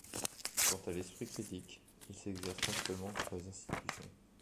Quant à l’esprit critique, il s’exerce principalement contre les institutions.